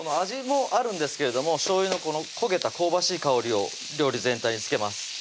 味もあるんですけれどもしょうゆのこの焦げた香ばしい香りを料理全体につけます